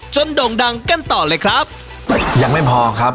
โด่งดังกันต่อเลยครับยังไม่พอครับ